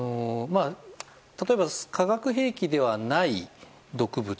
例えば化学兵器ではない毒物。